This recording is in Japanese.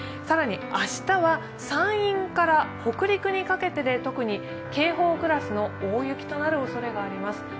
更に明日は山陰から北陸にかけてで特に警報クラスの大雪となるおそれがあります。